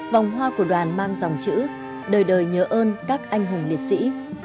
vòng hoa của đoàn mang dòng chữ đời đời nhớ ơn các anh hùng liệt sĩ